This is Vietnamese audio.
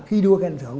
khi đua khen thưởng